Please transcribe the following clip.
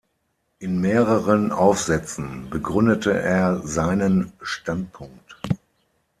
In mehreren Aufsätzen begründete er seinen Standpunkt.